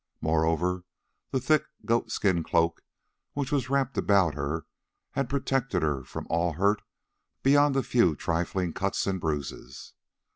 Moreover, the thick goat skin cloak which was wrapped about her had protected her from all hurt beyond a few trifling cuts and bruises.